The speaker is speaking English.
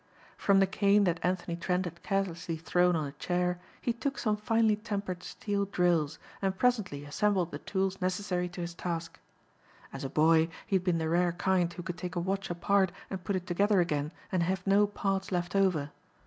From the cane that Anthony Trent had carelessly thrown on a chair, he took some finely tempered steel drills and presently assembled the tools necessary to his task. As a boy he had been the rare kind who could take a watch apart and put it together again and have no parts left over.